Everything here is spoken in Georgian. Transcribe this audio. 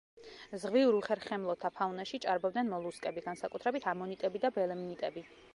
ზღვიურ უხერხემლოთა ფაუნაში ჭარბობდნენ მოლუსკები, განსაკუთრებით ამონიტები და ბელემნიტები.